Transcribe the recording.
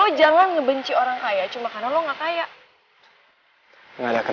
njayang gue lagi roeras sedar